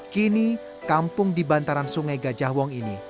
kini kampung di bantaran sungai gajah wong ini